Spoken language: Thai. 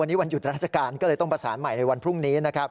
วันนี้วันหยุดราชการก็เลยต้องประสานใหม่ในวันพรุ่งนี้นะครับ